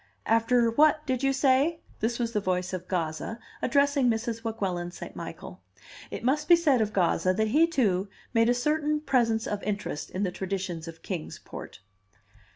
"After what, did you say?" This was the voice of Gazza, addressing Mrs. Weguelin St. Michael. It must be said of Gazza that he, too, made a certain presence of interest in the traditions of Kings Port.